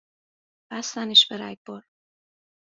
بستنش به رگبار